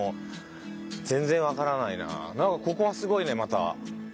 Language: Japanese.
なんかここはすごいねまた。